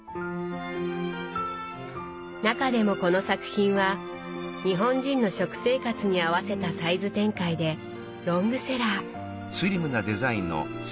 中でもこの作品は日本人の食生活に合わせたサイズ展開でロングセラー。